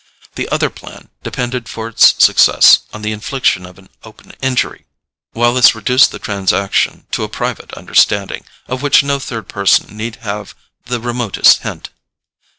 The other plan depended for its success on the infliction of an open injury, while this reduced the transaction to a private understanding, of which no third person need have the remotest hint.